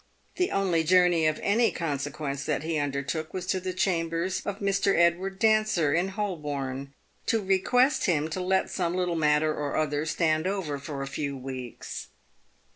The only journey of any con sequence that he undertook was to the chambers of Mr. Edward Dancer, in Holborn, to request him to let some little matter or other stand over for a few weeks.